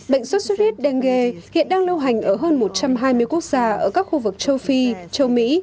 bệnh sốt xuất huyết denge hiện đang lưu hành ở hơn một trăm hai mươi quốc gia ở các khu vực châu phi châu mỹ